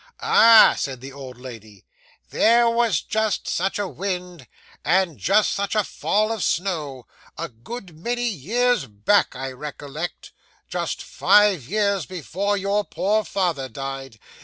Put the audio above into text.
'Ah!' said the old lady, 'there was just such a wind, and just such a fall of snow, a good many years back, I recollect just five years before your poor father died.